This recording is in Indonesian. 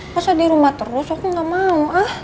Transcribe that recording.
masa di rumah terus aku gak mau ah